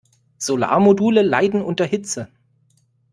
Solarmodule leiden unter Hitze.